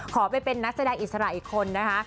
ขอไปเป็นนักแสดงอิสระอีกคนนะคะ